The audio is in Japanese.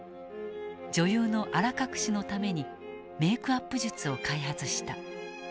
女優のあら隠しのためにメークアップ術を開発した。